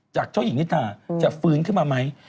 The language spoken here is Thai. เจ้าหญิงนิตาจะฟื้นขึ้นมาไหม